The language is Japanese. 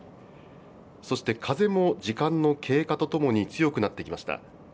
そして風も時間の経過とともに強くなってきました。